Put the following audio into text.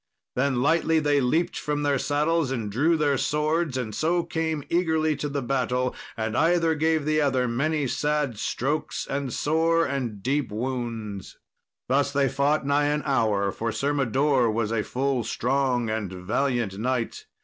Then lightly they leaped from their saddles and drew their swords, and so came eagerly to the battle, and either gave the other many sad strokes and sore and deep wounds. Thus they fought nigh an hour, for Sir Mador was a full strong and valiant knight.